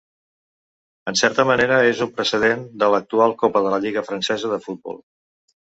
En certa manera és un precedent de l'actual Copa de la Lliga francesa de futbol.